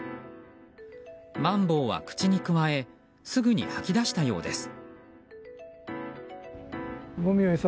マンボウは口にくわえすぐに吐き出したようです。